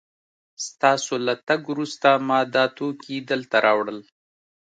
ستاسو له تګ وروسته ما دا توکي دلته راوړل